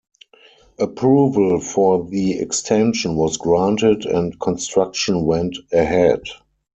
Approval for the extension was granted and construction went ahead.